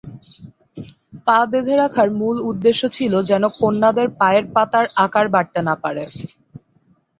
পা বেধে রাখার মূল উদ্দেশ্য ছিল যেন কন্যাদের পায়ের পাতা আকার বাড়তে না পারে।